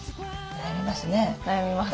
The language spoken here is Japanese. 悩みます。